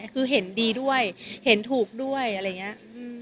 คือเห็นดีด้วยเห็นถูกด้วยอะไรอย่างนี้